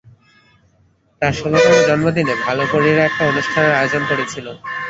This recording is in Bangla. তার ষোলতম জন্মদিনে, ভালো পরীরা একটা অনুষ্ঠানের আয়োজন করেছিল।